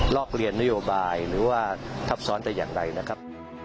อกเรียนนโยบายหรือว่าทับซ้อนแต่อย่างใดนะครับ